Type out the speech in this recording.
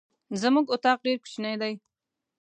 زمونږ اطاق ډير کوچنی ده.